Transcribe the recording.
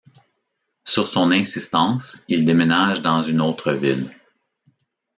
Sur son insistance, ils déménagent dans une autre ville.